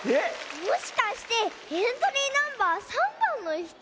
もしかしてエントリーナンバー３ばんのひと？